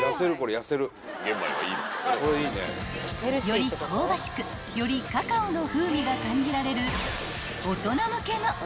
［より香ばしくよりカカオの風味が感じられる］